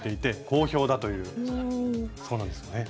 そうなんですよね。